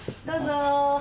どうぞ。